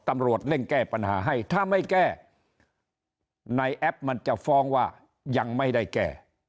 ตำรวจเร่งแก้ปัญหาให้ถ้าไม่แก้ในแอปมันจะฟ้องว่ายังไม่ได้แก้